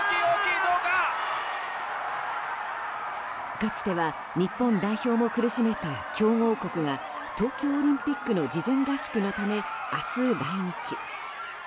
かつては日本代表も苦しめた強豪国が東京オリンピックの事前合宿のため明日、来日。